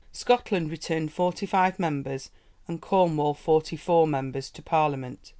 Scotland returned forty five members and Cornwall forty four members to Parliament!